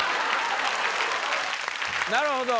なるほど！